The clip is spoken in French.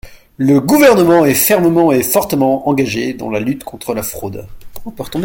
Le Gouvernement est fermement et fortement engagé dans la lutte contre la fraude.